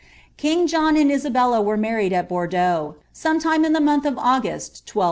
* Ring John and Isabella were married at Bordeaux, some time in the month of August, 1200.